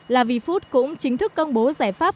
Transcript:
la vie food cũng chính thức công bố giải pháp